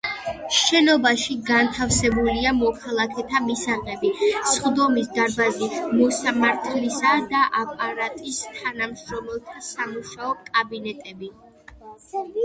შენობაში განთავსებულია მოქალაქეთა მისაღები, სხდომის დარბაზი, მოსამართლისა და აპარატის თანამშრომელთა სამუშაო კაბინეტები.